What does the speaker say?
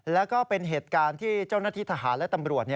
แล้วก็เป็นเหตุการณ์ที่เจ้าหน้าที่ทหารและตำรวจ